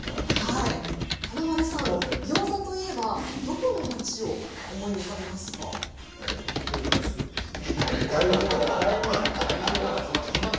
華丸さんギョーザといえばどこの町を思い浮かべますか？